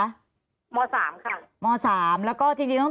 ตอนที่จะไปอยู่โรงเรียนนี้แปลว่าเรียนจบมไหนคะ